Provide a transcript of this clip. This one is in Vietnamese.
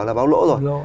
là báo lỗ rồi